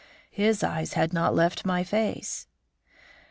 His eyes had not left my face.